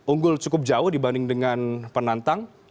unggul cukup jauh dibanding dengan penantang